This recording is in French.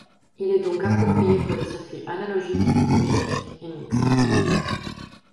Il est donc approprié pour les circuits analogiques, numériques et mixtes.